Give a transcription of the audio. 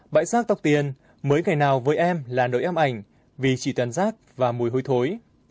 bãi rác tóc tiên mới ngày nào với em là nỗi em ảnh vì chỉ toàn rác và mùi hối thối